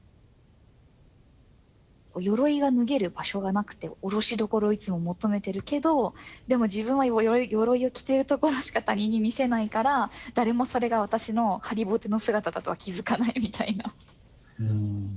鎧が脱げる場所がなくて下ろしどころをいつも求めてるけどでも自分は鎧を着てるところしか他人に見せないから誰もそれが私のはりぼての姿だとは気付かないみたいな。